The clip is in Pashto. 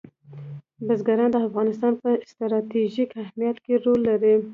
بزګان د افغانستان په ستراتیژیک اهمیت کې رول لري.